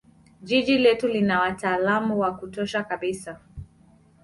jiji letu lina wataalam wa kutosha kabisa